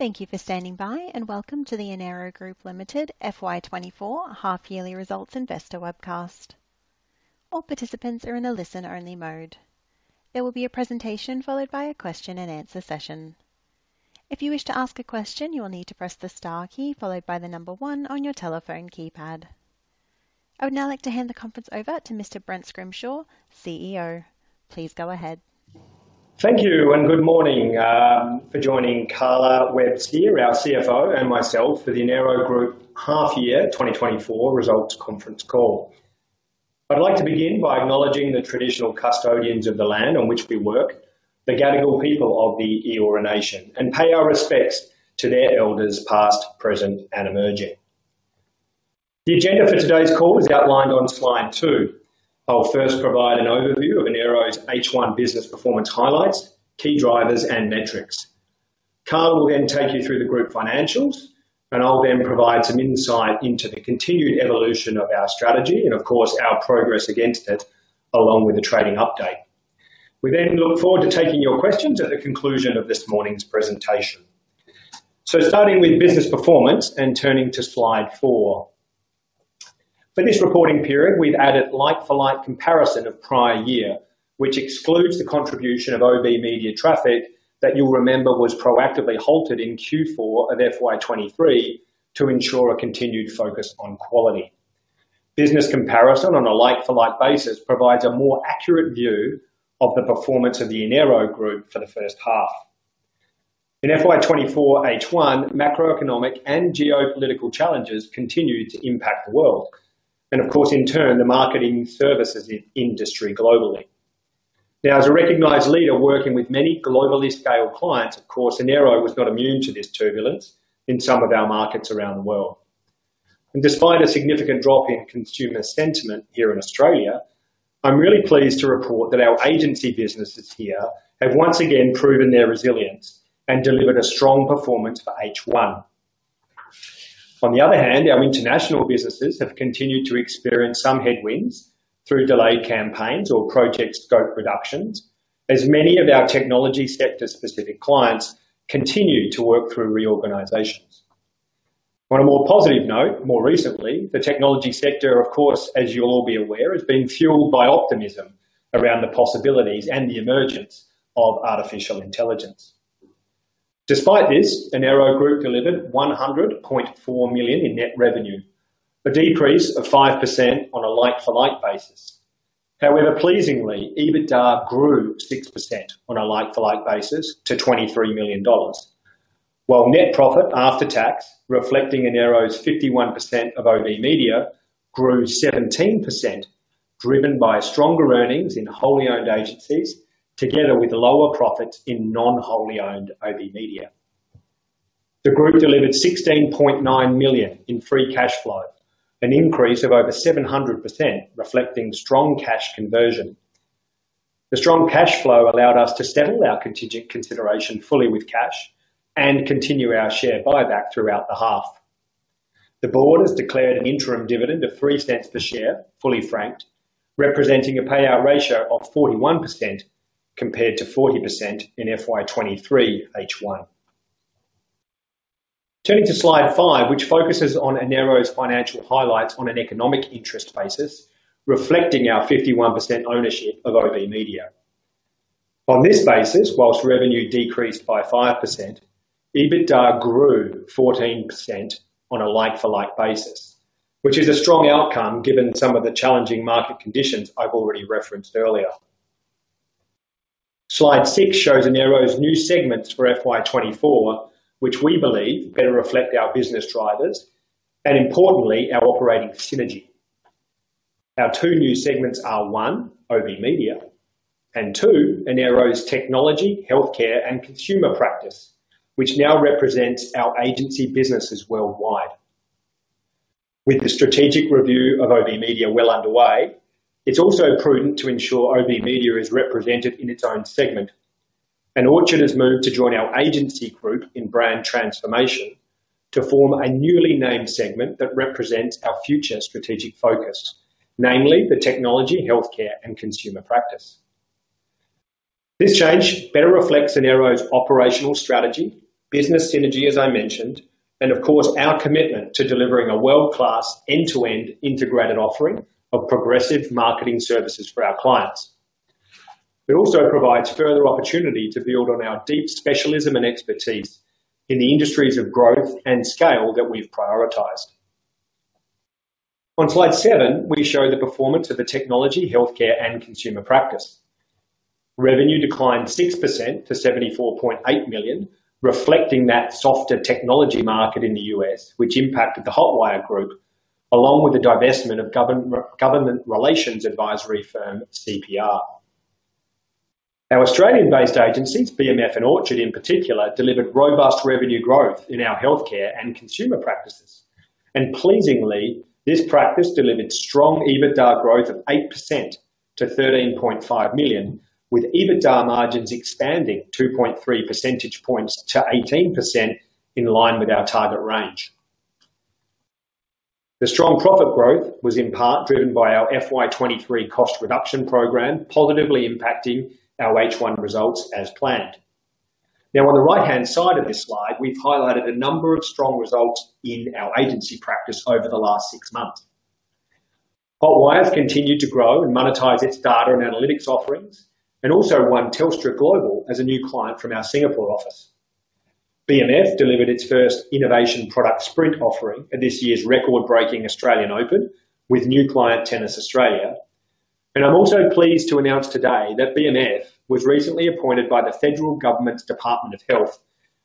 Thank you for standing by and welcome to the Enero Group Limited FY2024 Half-Yearly Results Investor webcast. All participants are in a listen-only mode. There will be a presentation followed by a question-and-answer session. If you wish to ask a question, you will need to press the star key followed by the number one on your telephone keypad. I would now like to hand the conference over to Mr. Brent Scrimshaw, CEO. Please go ahead. Thank you and good morning for joining Carla Webb-Sear, our CFO, and myself for the Enero Group Half-Year 2024 Results Conference call. I'd like to begin by acknowledging the traditional custodians of the land on which we work, the Gadigal people of the Eora Nation, and pay our respects to their elders past, present, and emerging. The agenda for today's call is outlined on slide two. I'll first provide an overview of Enero's H1 business performance highlights, key drivers, and metrics. Carla will then take you through the group financials, and I'll then provide some insight into the continued evolution of our strategy and, of course, our progress against it along with a trading update. We then look forward to taking your questions at the conclusion of this morning's presentation. Starting with business performance and turning to slide four. For this reporting period, we've added a like-for-like comparison of prior year, which excludes the contribution of OBMedia traffic that you'll remember was proactively halted in Q4 of FY2023 to ensure a continued focus on quality. Business comparison on a like-for-like basis provides a more accurate view of the performance of the Enero Group for the first half. In FY2024 H1, macroeconomic and geopolitical challenges continue to impact the world and, of course, in turn, the marketing services industry globally. Now, as a recognized leader working with many globally scaled clients, of course, Enero was not immune to this turbulence in some of our markets around the world. Despite a significant drop in consumer sentiment here in Australia, I'm really pleased to report that our agency businesses here have once again proven their resilience and delivered a strong performance for H1. On the other hand, our international businesses have continued to experience some headwinds through delayed campaigns or project scope reductions as many of our technology sector-specific clients continue to work through reorganisations. On a more positive note, more recently, the technology sector, of course, as you'll all be aware, has been fuelled by optimism around the possibilities and the emergence of artificial intelligence. Despite this, Enero Group delivered 100.4 million in net revenue, a decrease of 5% on a like-for-like basis. However, pleasingly, EBITDA grew 6% on a like-for-like basis to 23 million dollars, while net profit after tax, reflecting Enero's 51% of OBMedia, grew 17% driven by stronger earnings in wholly owned agencies together with lower profits in non-wholly owned OBMedia. The group delivered 16.9 million in free cash flow, an increase of over 700% reflecting strong cash conversion. The strong cash flow allowed us to settle our contingent consideration fully with cash and continue our share buyback throughout the half. The board has declared an interim dividend of 0.03 per share, fully franked, representing a payout ratio of 41% compared to 40% in FY2023 H1. Turning to slide five, which focuses on Enero's financial highlights on an economic interest basis reflecting our 51% ownership of OBMedia. On this basis, while revenue decreased by 5%, EBITDA grew 14% on a like-for-like basis, which is a strong outcome given some of the challenging market conditions I've already referenced earlier. Slide six shows Enero's new segments for FY2024, which we believe better reflect our business drivers and, importantly, our operating synergy. Our two new segments are one, OBMedia and two, Enero's technology, healthcare, and consumer practice, which now represents our agency businesses worldwide. With the strategic review of OBMedia well underway, it's also prudent to ensure OBMedia is represented in its own segment. And Orchard has moved to join our agency group in brand transformation to form a newly named segment that represents our future strategic focus, namely the technology, healthcare, and consumer practice. This change better reflects Enero's operational strategy, business synergy, as I mentioned, and, of course, our commitment to delivering a world-class end-to-end integrated offering of progressive marketing services for our clients. It also provides further opportunity to build on our deep specialism and expertise in the industries of growth and scale that we've prioritized. On slide seven, we show the performance of the technology, healthcare, and consumer practice. Revenue declined 6% to 74.8 million, reflecting that softer technology market in the U.S., which impacted the Hotwire Group along with the divestment of government relations advisory firm CPR. Our Australian-based agencies, BMF and Orchard in particular, delivered robust revenue growth in our healthcare and consumer practices. Pleasingly, this practice delivered strong EBITDA growth of 8% to 13.5 million, with EBITDA margins expanding 2.3 percentage points to 18% in line with our target range. The strong profit growth was in part driven by our FY 2023 cost reduction program, positively impacting our H1 results as planned. Now, on the right-hand side of this slide, we've highlighted a number of strong results in our agency practice over the last six months. Hotwire has continued to grow and monetize its data and analytics offerings and also won Telstra Global as a new client from our Singapore office. BMF delivered its first innovation product sprint offering at this year's record-breaking Australian Open with new client Tennis Australia. I'm also pleased to announce today that BMF was recently appointed by the federal government's Department of Health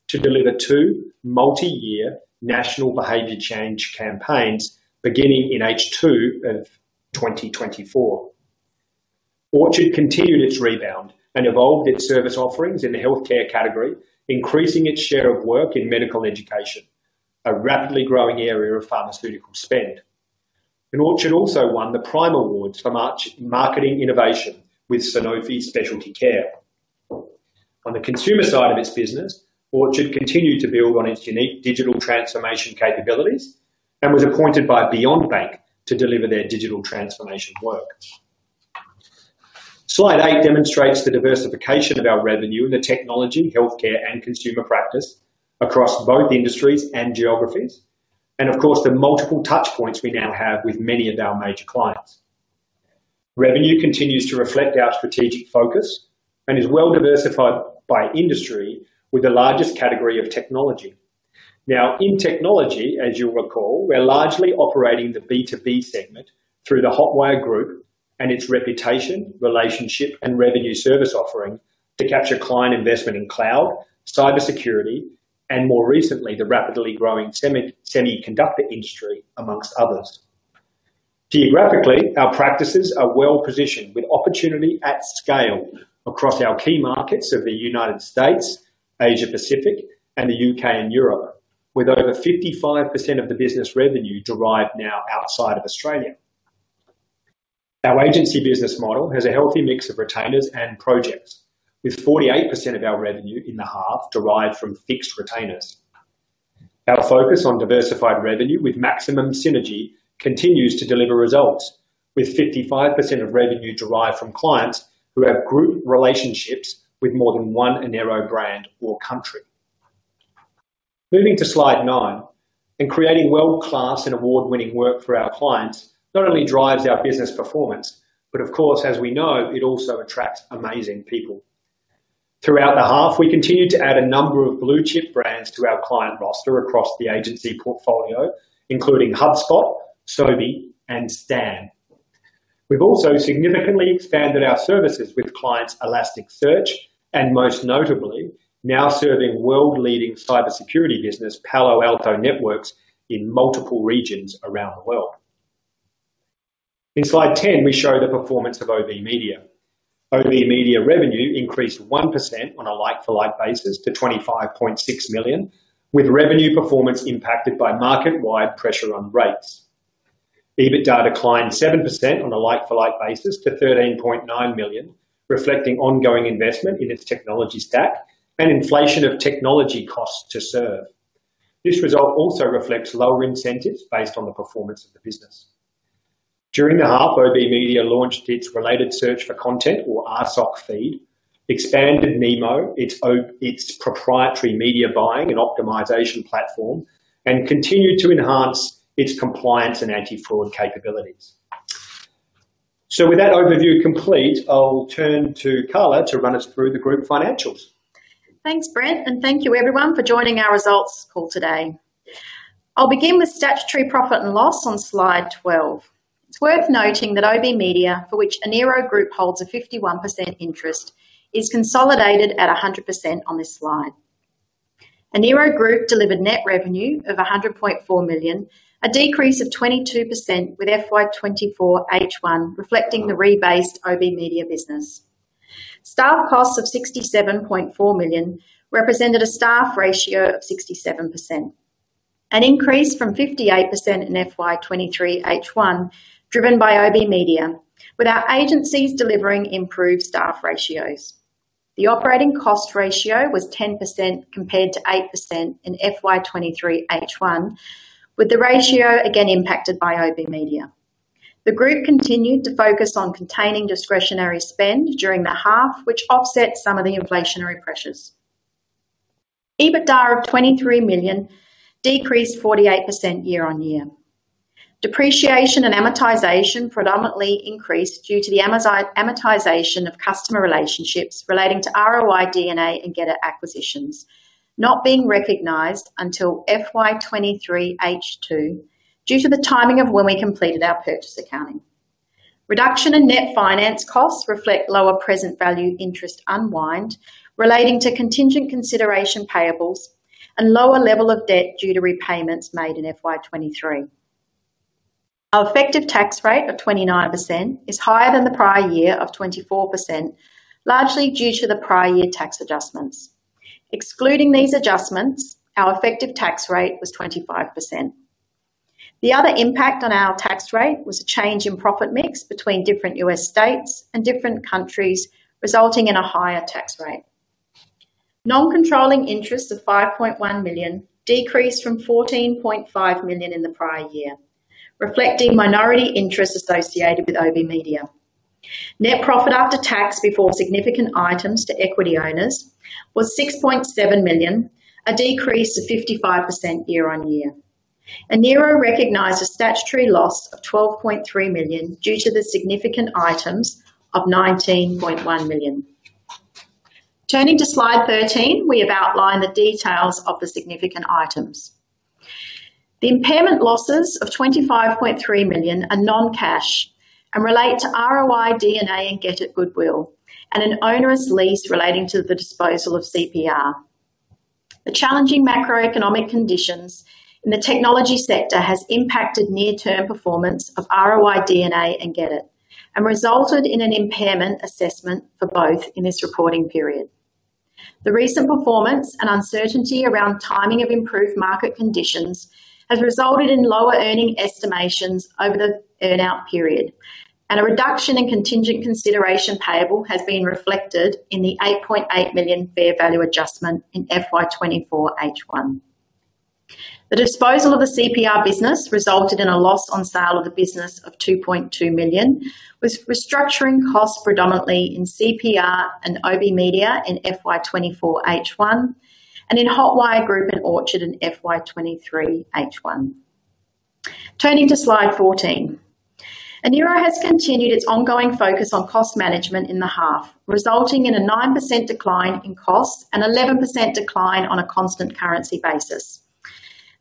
to deliver two multi-year national behavior change campaigns beginning in H2 of 2024. Orchard continued its rebound and evolved its service offerings in the healthcare category, increasing its share of work in medical education, a rapidly growing area of pharmaceutical spend. Orchard also won the Prime Awards for marketing innovation with Sanofi Specialty Care. On the consumer side of its business, Orchard continued to build on its unique digital transformation capabilities and was appointed by Beyond Bank to deliver their digital transformation work. Slide eight demonstrates the diversification of our revenue in the technology, healthcare, and consumer practice across both industries and geographies and, of course, the multiple touchpoints we now have with many of our major clients. Revenue continues to reflect our strategic focus and is well diversified by industry with the largest category of technology. Now, in technology, as you'll recall, we're largely operating the B2B segment through the Hotwire Group and its reputation, relationship, and revenue service offering to capture client investment in cloud, cybersecurity, and more recently, the rapidly growing semiconductor industry, amongst others. Geographically, our practices are well positioned with opportunity at scale across our key markets of the United States, Asia Pacific, and the U.K. and Europe, with over 55% of the business revenue derived now outside of Australia. Our agency business model has a healthy mix of retainers and projects, with 48% of our revenue in the half derived from fixed retainers. Our focus on diversified revenue with maximum synergy continues to deliver results, with 55% of revenue derived from clients who have group relationships with more than one Enero brand or country. Moving to slide nine and creating world-class and award-winning work for our clients not only drives our business performance but, of course, as we know, it also attracts amazing people. Throughout the half, we continued to add a number of blue-chip brands to our client roster across the agency portfolio, including HubSpot, Sobi, and Stan. We've also significantly expanded our services with clients Elasticsearch and, most notably, now serving world-leading cybersecurity business Palo Alto Networks in multiple regions around the world. In slide 10, we show the performance of OBMedia. OBMedia revenue increased 1% on a like-for-like basis to 25.6 million, with revenue performance impacted by market-wide pressure on rates. EBITDA declined 7% on a like-for-like basis to 13.9 million, reflecting ongoing investment in its technology stack and inflation of technology costs to serve. This result also reflects lower incentives based on the performance of the business. During the half, OBMedia launched its related search for content, or RSOC, Feed, Expanded NEMO, its proprietary media buying and optimization platform, and continued to enhance its compliance and anti-fraud capabilities. With that overview complete, I'll turn to Carla to run us through the group financials. Thanks, Brent, and thank you, everyone, for joining our results call today. I'll begin with statutory profit and loss on slide 12. It's worth noting that OBMedia, for which Enero Group holds a 51% interest, is consolidated at 100% on this slide. Enero Group delivered net revenue of 100.4 million, a decrease of 22% with FY2024 H1 reflecting the rebased OBMedia business. Staff costs of 67.4 million represented a staff ratio of 67%, an increase from 58% in FY2023 H1 driven by OBMedia with our agencies delivering improved staff ratios. The operating cost ratio was 10% compared to 8% in FY2023 H1, with the ratio again impacted by OBMedia. The group continued to focus on containing discretionary spend during the half, which offset some of the inflationary pressures. EBITDA of 23 million decreased 48% year-on-year. Depreciation and amortization predominantly increased due to the amortization of customer relationships relating to ROI·DNA and GetIT acquisitions, not being recognized until FY2023 H2 due to the timing of when we completed our purchase accounting. Reduction in net finance costs reflect lower present value interest unwind relating to contingent consideration payables and lower level of debt due to repayments made in FY2023. Our effective tax rate of 29% is higher than the prior year of 24%, largely due to the prior year tax adjustments. Excluding these adjustments, our effective tax rate was 25%. The other impact on our tax rate was a change in profit mix between different U.S. states and different countries, resulting in a higher tax rate. Non-controlling interests of 5.1 million decreased from 14.5 million in the prior year, reflecting minority interests associated with OBMedia. Net profit after tax before significant items to equity owners was 6.7 million, a decrease of 55% year-on-year. Enero recognised a statutory loss of 12.3 million due to the significant items of 19.1 million. Turning to slide 13, we have outlined the details of the significant items. The impairment losses of 25.3 million are non-cash and relate to ROI·DNA and GetIT goodwill and an onerous lease relating to the disposal of CPR. The challenging macroeconomic conditions in the technology sector have impacted near-term performance of ROI·DNA and GetIT and resulted in an impairment assessment for both in this reporting period. The recent performance and uncertainty around timing of improved market conditions has resulted in lower earnings estimations over the earn-out period, and a reduction in contingent consideration payable has been reflected in the 8.8 million fair value adjustment in FY2024 H1. The disposal of the CPR business resulted in a loss on sale of the business of AUD 2.2 million, with restructuring costs predominantly in CPR and OBMedia in FY2024 H1 and in Hotwire Group and Orchard in FY2023 H1. Turning to slide 14, Enero has continued its ongoing focus on cost management in the half, resulting in a 9% decline in costs and 11% decline on a constant currency basis.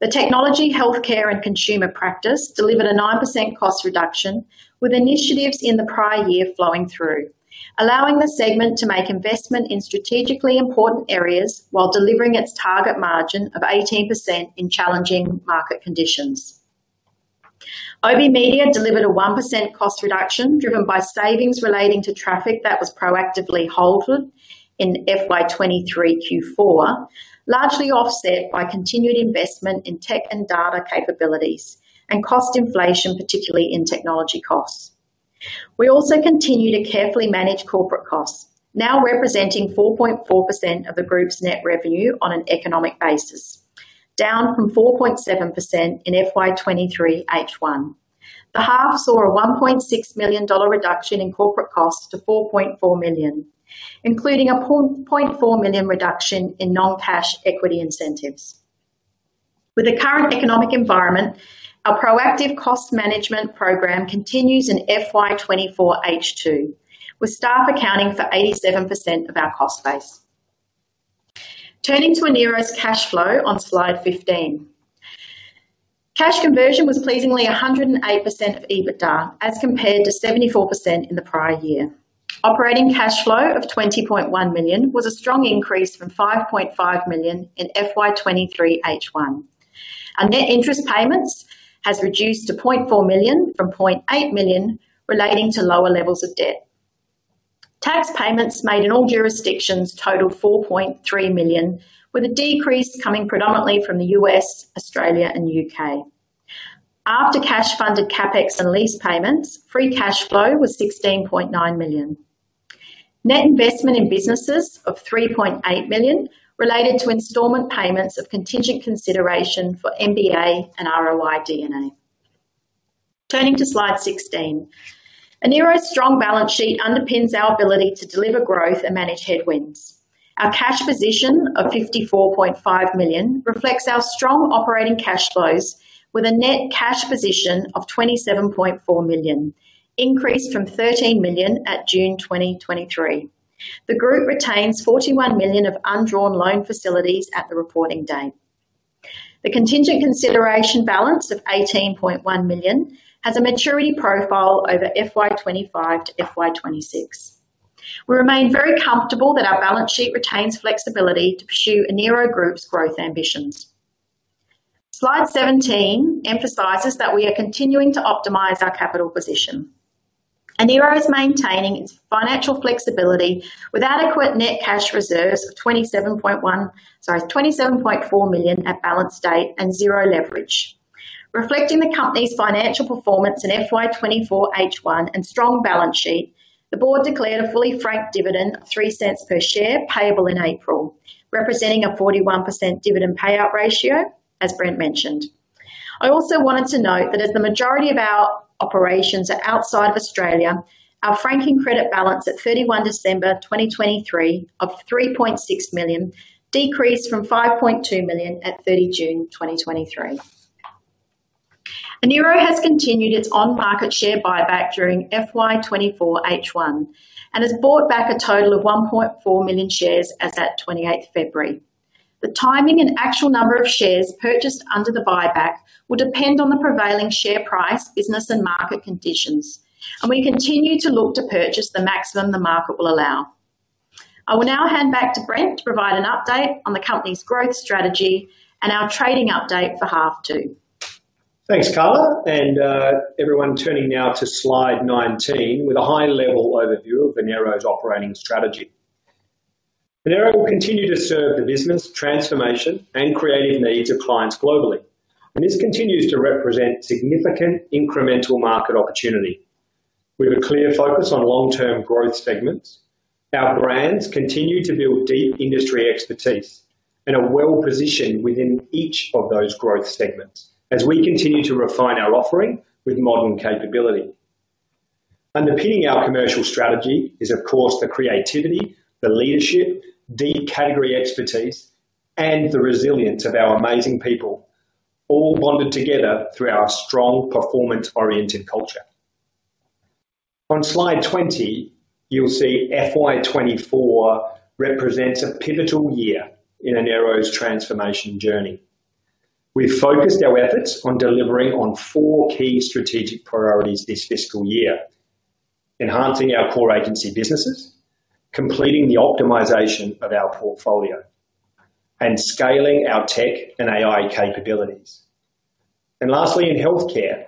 The technology, healthcare, and consumer practice delivered a 9% cost reduction, with initiatives in the prior year flowing through, allowing the segment to make investment in strategically important areas while delivering its target margin of 18% in challenging market conditions. OBMedia delivered a 1% cost reduction driven by savings relating to traffic that was proactively held in FY2023 Q4, largely offset by continued investment in tech and data capabilities and cost inflation, particularly in technology costs. We also continue to carefully manage corporate costs, now representing 4.4% of the group's net revenue on an economic basis, down from 4.7% in FY2023 H1. The half saw a 1.6 million dollar reduction in corporate costs to 4.4 million, including a 0.4 million reduction in non-cash equity incentives. With the current economic environment, our proactive cost management program continues in FY2024 H2, with staff accounting for 87% of our cost base. Turning to Enero's cash flow on slide 15, cash conversion was pleasingly 108% of EBITDA as compared to 74% in the prior year. Operating cash flow of 20.1 million was a strong increase from 5.5 million in FY2023 H1, and net interest payments have reduced to 0.4 million from 0.8 million relating to lower levels of debt. Tax payments made in all jurisdictions totaled 4.3 million, with a decrease coming predominantly from the U.S., Australia, and U.K. After cash-funded CapEx and lease payments, free cash flow was 16.9 million. Net investment in businesses of 3.8 million related to installment payments of contingent consideration for MBA and ROI·DNA. Turning to slide 16, Enero's strong balance sheet underpins our ability to deliver growth and manage headwinds. Our cash position of 54.5 million reflects our strong operating cash flows with a net cash position of 27.4 million, increased from 13 million at June 2023. The group retains 41 million of undrawn loan facilities at the reporting date. The contingent consideration balance of 18.1 million has a maturity profile over FY2025 to FY2026. We remain very comfortable that our balance sheet retains flexibility to pursue Enero Group's growth ambitions. Slide 17 emphasizes that we are continuing to optimize our capital position. Enero is maintaining its financial flexibility with adequate net cash reserves of 27.4 million at balance date and zero leverage. Reflecting the company's financial performance in FY2024 H1 and strong balance sheet, the board declared a fully franked dividend of 0.03 per share payable in April, representing a 41% dividend payout ratio, as Brent mentioned. I also wanted to note that as the majority of our operations are outside of Australia, our franking credit balance at 31 December 2023 of 3.6 million decreased from 5.2 million at 30 June 2023. Enero has continued its on-market share buyback during FY2024 H1 and has bought back a total of 1.4 million shares as of 28 February. The timing and actual number of shares purchased under the buyback will depend on the prevailing share price, business, and market conditions, and we continue to look to purchase the maximum the market will allow. I will now hand back to Brent to provide an update on the company's growth strategy and our trading update for half two. Thanks, Carla. Everyone turning now to slide 19 with a high-level overview of Enero's operating strategy. Enero will continue to serve the business, transformation, and creative needs of clients globally, and this continues to represent significant incremental market opportunity. With a clear focus on long-term growth segments, our brands continue to build deep industry expertise and are well positioned within each of those growth segments as we continue to refine our offering with modern capability. Underpinning our commercial strategy is, of course, the creativity, the leadership, deep category expertise, and the resilience of our amazing people, all bonded together through our strong performance-oriented culture. On slide 20, you'll see FY2024 represents a pivotal year in Enero's transformation journey. We've focused our efforts on delivering on four key strategic priorities this fiscal year: enhancing our core agency businesses, completing the optimization of our portfolio, and scaling our tech and AI capabilities. Lastly, in healthcare,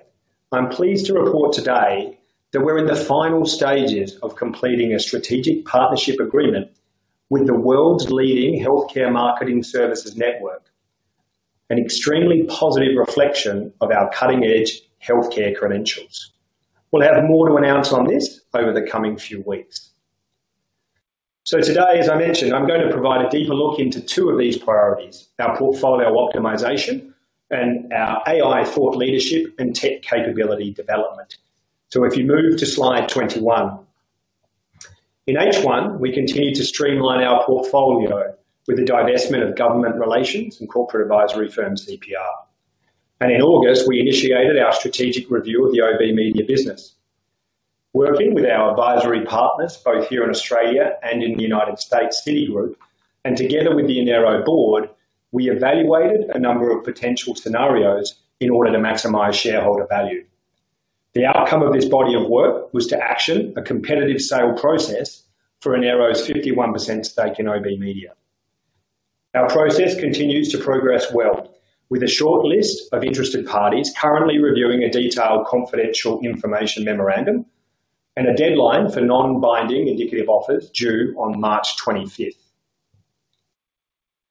I'm pleased to report today that we're in the final stages of completing a strategic partnership agreement with the world's leading healthcare marketing services network, an extremely positive reflection of our cutting-edge healthcare credentials. We'll have more to announce on this over the coming few weeks. Today, as I mentioned, I'm going to provide a deeper look into two of these priorities: our portfolio optimization and our AI thought leadership and tech capability development. If you move to slide 21, in H1, we continue to streamline our portfolio with the divestment of government relations and corporate advisory firm CPR. In August, we initiated our strategic review of the OBMedia business, working with our advisory partners both here in Australia and in the United States Citigroup. Together with the Enero board, we evaluated a number of potential scenarios in order to maximize shareholder value. The outcome of this body of work was to action a competitive sale process for Enero's 51% stake in OBMedia. Our process continues to progress well, with a short list of interested parties currently reviewing a detailed confidential information memorandum and a deadline for non-binding indicative offers due on March 25th.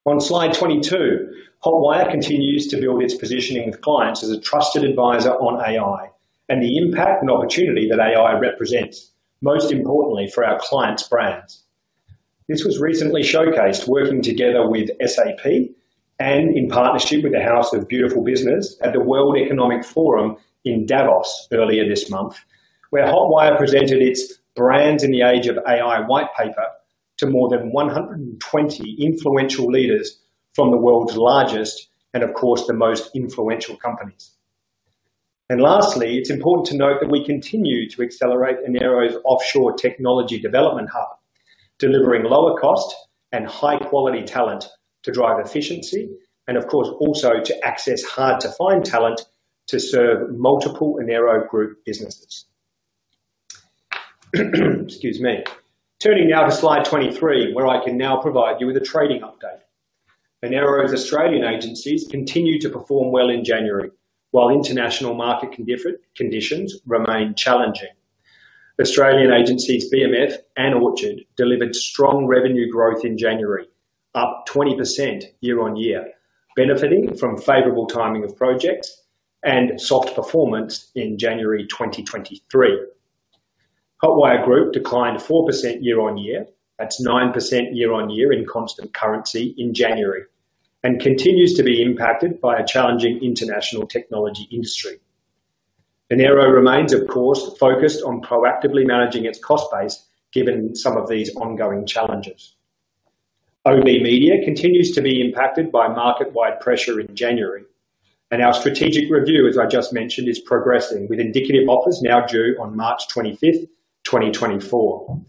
On slide 22, Hotwire continues to build its positioning with clients as a trusted advisor on AI and the impact and opportunity that AI represents, most importantly for our clients' brands. This was recently showcased working together with SAP and in partnership with the House of Beautiful Business at the World Economic Forum in Davos earlier this month, where Hotwire presented its Brands in the Age of AI whitepaper to more than 120 influential leaders from the world's largest and, of course, the most influential companies. Lastly, it's important to note that we continue to accelerate Enero's offshore technology development hub, delivering lower cost and high-quality talent to drive efficiency and, of course, also to access hard-to-find talent to serve multiple Enero Group businesses. Excuse me. Turning now to slide 23, where I can now provide you with a trading update. Enero's Australian agencies continue to perform well in January while international market conditions remain challenging. Australian agencies BMF and Orchard delivered strong revenue growth in January, up 20% year-over-year, benefiting from favorable timing of projects and soft performance in January 2023. Hotwire Group declined 4% year-over-year. That's 9% year-over-year in constant currency in January and continues to be impacted by a challenging international technology industry. Enero remains, of course, focused on proactively managing its cost base given some of these ongoing challenges. OBMedia continues to be impacted by market-wide pressure in January, and our strategic review, as I just mentioned, is progressing with indicative offers now due on March 25th, 2024.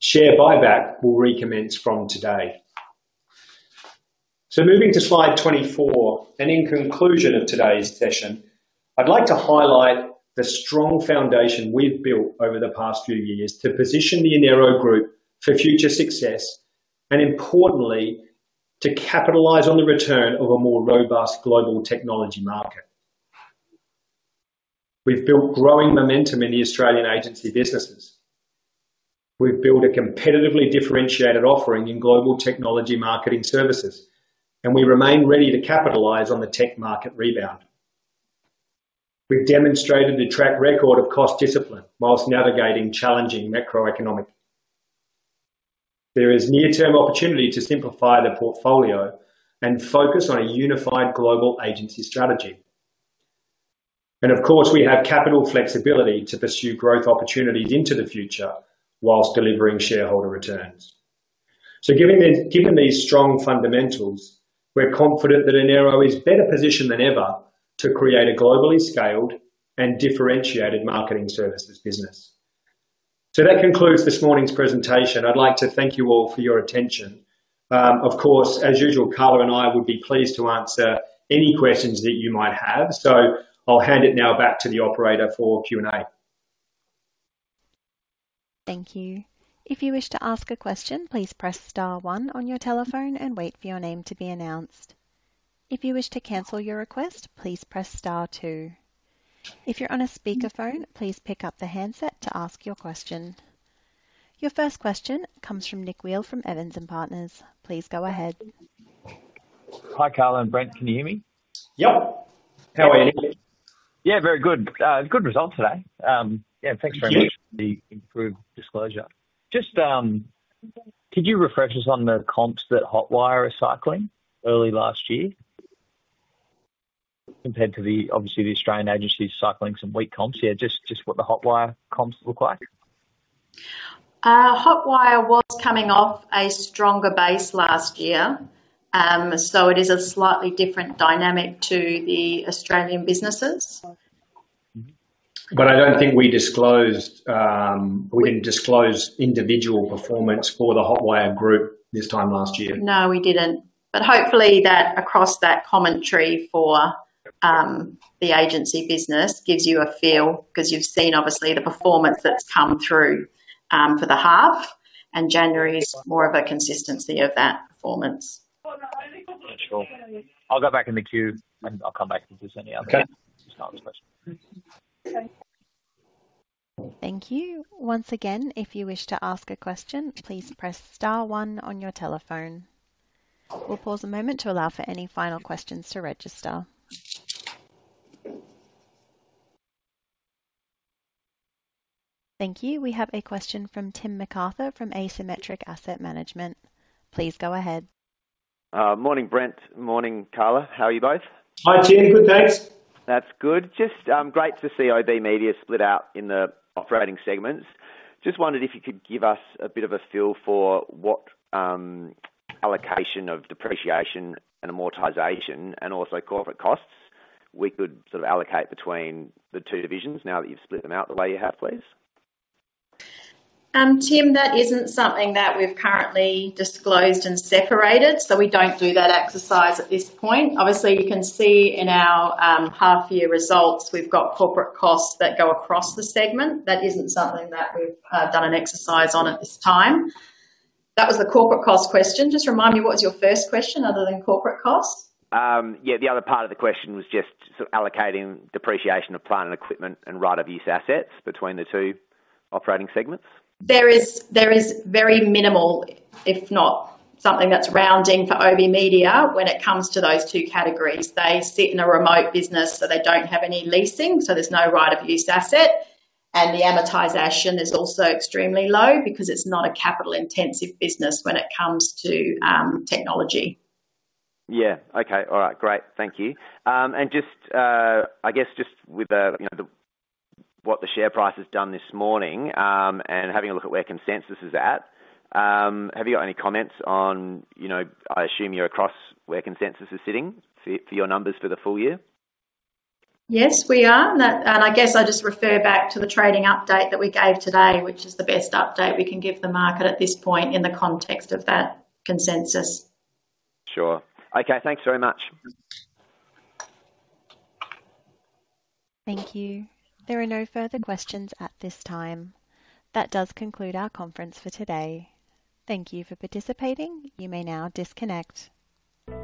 Share buyback will recommence from today. So moving to slide 24 and in conclusion of today's session, I'd like to highlight the strong foundation we've built over the past few years to position the Enero Group for future success and, importantly, to capitalize on the return of a more robust global technology market. We've built growing momentum in the Australian agency businesses. We've built a competitively differentiated offering in global technology marketing services, and we remain ready to capitalize on the tech market rebound. We've demonstrated the track record of cost discipline while navigating challenging macroeconomics. There is near-term opportunity to simplify the portfolio and focus on a unified global agency strategy. And, of course, we have capital flexibility to pursue growth opportunities into the future while delivering shareholder returns. So given these strong fundamentals, we're confident that Enero is better positioned than ever to create a globally scaled and differentiated marketing services business. That concludes this morning's presentation. I'd like to thank you all for your attention. Of course, as usual, Carla and I would be pleased to answer any questions that you might have, so I'll hand it now back to the operator for Q&A. Thank you. If you wish to ask a question, please press star one on your telephone and wait for your name to be announced. If you wish to cancel your request, please press star two. If you're on a speakerphone, please pick up the handset to ask your question. Your first question comes from Nick Wilson from Evans & Partners. Please go ahead. Hi, Carla. Brent, can you hear me? Yep. How are you? Yeah, very good. Good result today. Yeah, thanks very much. The improved disclosure. Just could you refresh us on the comps that Hotwire are cycling early last year compared to, obviously, the Australian agencies cycling some weak comps? Yeah, just what the Hotwire comps look like. Hotwire was coming off a stronger base last year, so it is a slightly different dynamic to the Australian businesses. But I don't think we disclosed individual performance for the Hotwire Group this time last year. No, we didn't. But hopefully, across that commentary for the agency business, it gives you a feel because you've seen, obviously, the performance that's come through for the half, and January is more of a consistency of that performance. Sure. I'll go back in the queue, and I'll come back and do any other, just answer the question. Thank you. Once again, if you wish to ask a question, please press star one on your telephone. We'll pause a moment to allow for any final questions to register. Thank you. We have a question from Tim McArthur from Asymmetric Asset Management. Please go ahead. Morning, Brent. Morning, Carla. How are you both? Hi, Tim. Good, thanks. That's good. Just great to see OBMedia split out in the operating segments. Just wondered if you could give us a bit of a feel for what allocation of depreciation and amortization and also corporate costs we could sort of allocate between the two divisions now that you've split them out the way you have, please? Tim, that isn't something that we've currently disclosed and separated, so we don't do that exercise at this point. Obviously, you can see in our half-year results, we've got corporate costs that go across the segment. That isn't something that we've done an exercise on at this time. That was the corporate cost question. Just remind me, what was your first question other than corporate costs? Yeah, the other part of the question was just sort of allocating depreciation of plant and equipment and right-of-use assets between the two operating segments. There is very minimal, if not something that's rounding, for OBMedia when it comes to those two categories. They sit in a remote business, so they don't have any leasing, so there's no right-of-use asset. The amortization is also extremely low because it's not a capital-intensive business when it comes to technology. Yeah. Okay. All right. Great. Thank you. And I guess just with what the share price has done this morning and having a look at where consensus is at, have you got any comments on I assume you're across where consensus is sitting for your numbers for the full year? Yes, we are. I guess I'll just refer back to the trading update that we gave today, which is the best update we can give the market at this point in the context of that consensus. Sure. Okay. Thanks very much. Thank you. There are no further questions at this time. That does conclude our conference for today. Thank you for participating. You may now disconnect.